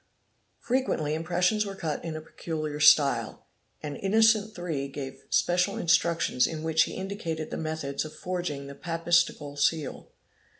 Frequently impressions were cut in a peculiar style, and Innocent II]. gave special instructions in which he indicated the methods of forging the Papistical seal".